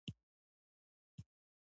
د هر یو غړپ سره یې